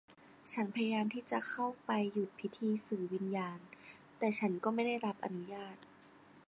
ฉันพยายามที่จะเข้าไปหยุดพิธีสื่อวิญญาณ แต่ฉันก็ไม่ได้รับอนุญาต